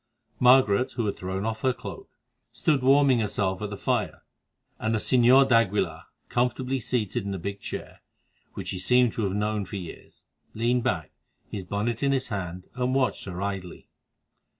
Margaret, who had thrown off her cloak, stood warming herself at the fire, and the Señor d'Aguilar, comfortably seated in a big chair, which he seemed to have known for years, leaned back, his bonnet in his hand, and watched her idly.